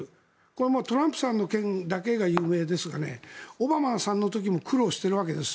これはトランプさんの件だけが有名ですがオバマさんの時も苦労しているわけです。